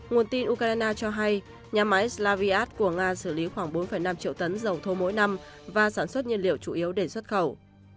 nguồn tin ukraine cho hay nhà máy slaviat của nga xử lý khoảng bốn năm triệu tấn dầu thô mỗi năm và sản xuất nhiên liệu chủ yếu để xuất khẩu